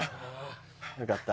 よかった。